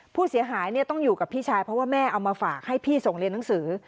ผู้เสียหายต้องอยู่กับพี่ชายเพราะว่าแม่เอามาฝากให้พี่ส่งเรียนหนังสือ